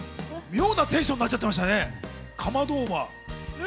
妙なテンションになっちゃってましたね、カマドウマ。